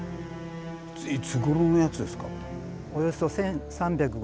いつごろのやつですか？